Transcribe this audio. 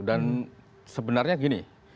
dan sebenarnya begini